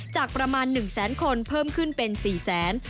จากประมาณหนึ่งแสนคนเพิ่มขึ้นเป็นสี่แสน